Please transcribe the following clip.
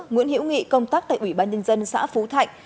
nguyễn hiễu nghị công tác tại ủy ban nhân dân xã phú thạnh